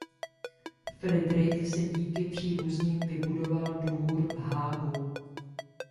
Fridrich si díky příbuzným vybudoval dvůr v Haagu.